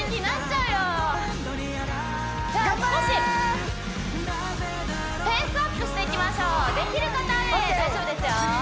じゃあ少しペースアップしていきましょうできる方で大丈夫ですよ